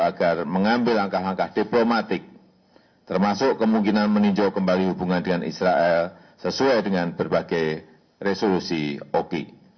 agar mengambil langkah langkah diplomatik termasuk kemungkinan meninjau kembali hubungan dengan israel sesuai dengan berbagai resolusi oki